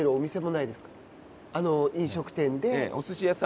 飲食店で。